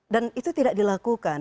dan itu tidak dilakukan